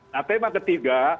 nah tema ketiga